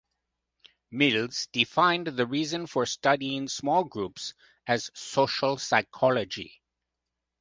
Mills defined the reason for studying small groups as social psychology.